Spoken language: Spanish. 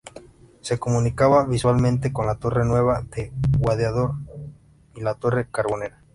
Se comunicaba visualmente con la Torre Nueva de Guadiaro y la Torre Carbonera.